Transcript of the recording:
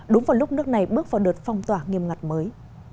đúng vào lúc nước này bước vào đợt phong tỏa nghiêm ngặt mới